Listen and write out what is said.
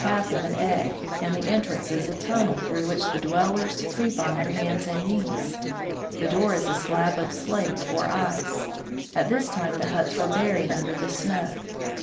half of an egg, and the entrance is a tunnel, through which the dwellers creep on their hands and knees. The door is a slab of slate or ice. At this time the huts were buried under the snow.